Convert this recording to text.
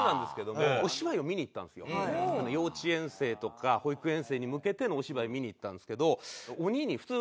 幼稚園生とか保育園生に向けてのお芝居を見に行ったんですけど。